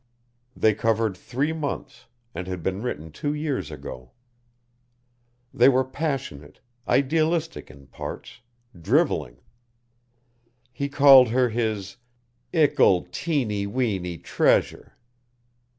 They covered three months, and had been written two years ago. They were passionate, idealistic in parts, drivelling. He called her his "Ickle teeny weeny treasure."